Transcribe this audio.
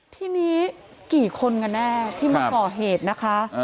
ทีนี้กี่คนกันแน่ที่มาก่อเหตุนะคะ